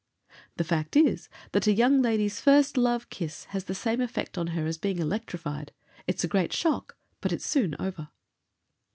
The fact is, that a young lady's first love kiss has the same effect on her as being electrified; it's a great shock, but it's soon over.